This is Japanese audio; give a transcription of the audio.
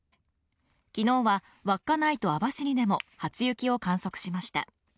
昨日は稚内と網走でも初雪を観測しました。